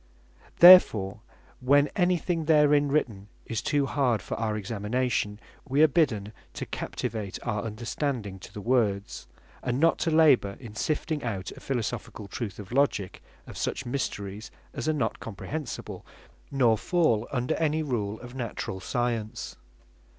Therefore, when any thing therein written is too hard for our examination, wee are bidden to captivate our understanding to the Words; and not to labour in sifting out a Philosophicall truth by Logick, of such mysteries as are not comprehensible, nor fall under any rule of naturall science.